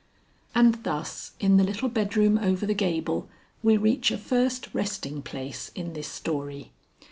And thus in the little bedroom over the gable we reach a first resting place in this story.